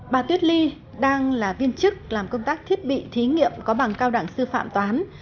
bà tuyết ly đang là viên chức làm công tác thiết bị thí nghiệm có bằng cao đẳng sư phạm toán